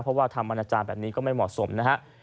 เพราะว่าทำอนาจารย์แบบนี้ก็ไม่เหมาะสมนะฮะ